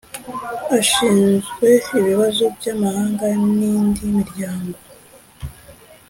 Ashinzwe ibibazo by’amahanga n’indi miryango